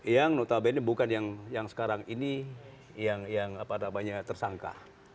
yang notabene bukan yang sekarang ini yang tersangka